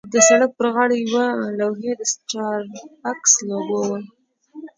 د سړک پر غاړه پر یوې لوحې د سټاربکس لوګو وه.